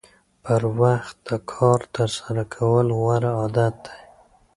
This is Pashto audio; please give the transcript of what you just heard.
پر وخت د کار ترسره کول غوره عادت دی.